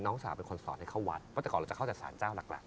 น้องสาวเป็นคนสอนให้เข้าวัดเพราะแต่ก่อนเราจะเข้าจากศาลเจ้าหลัก